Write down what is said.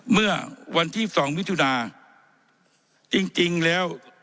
เมื่อวันที่สองวิทยุนาจริงจริงแล้ว